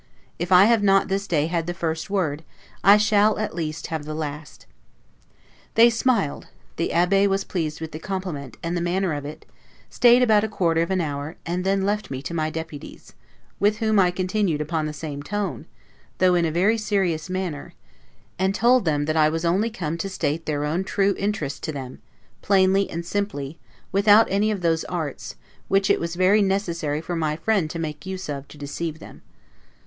If I have not this day had the first word, I shall at least have the last. They smiled: the Abbe was pleased with the compliment, and the manner of it, stayed about a quarter of an hour, and then left me to my Deputies, with whom I continued upon the same tone, though in a very serious manner, and told them that I was only come to state their own true interests to them, plainly and simply, without any of those arts, which it was very necessary for my friend to make use of to deceive them.